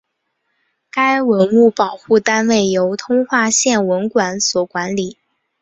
该文物保护单位由通化县文管所管理。